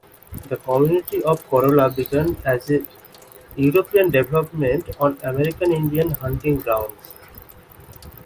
The community of Corolla began as a European development on American Indian hunting grounds.